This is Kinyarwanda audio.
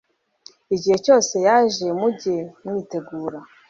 igihe cyose yaje mujye mwitegura